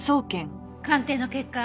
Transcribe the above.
鑑定の結果